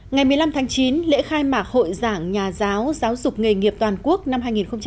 ngày một mươi năm tháng chín lễ khai mạc hội giảng nhà giáo giáo dục nghề nghiệp toàn quốc năm hai nghìn hai mươi